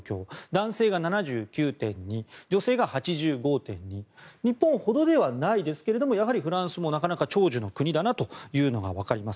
男性が７９．２女性が８５．２日本ほどではないですがやはりフランスもなかなか長寿の国だなというのがわかります。